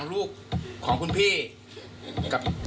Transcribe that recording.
เผื่อเขายังไม่ได้งาน